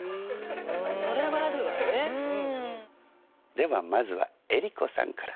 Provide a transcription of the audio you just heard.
ではまずは江里子さんから。